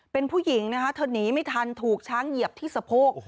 เป็นผู้หญิงนะคะเธอหนีไม่ทันถูกช้างเหยียบที่สะโพก